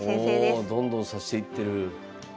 おどんどん指していってる。